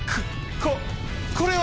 ここれは！